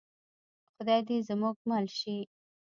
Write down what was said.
خدای دې زموږ مل شي